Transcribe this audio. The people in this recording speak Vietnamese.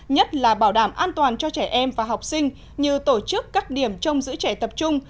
nhất là bảo đảm an toàn cho trẻ em và học sinh như tổ chức các điểm trong giữ trẻ tập trung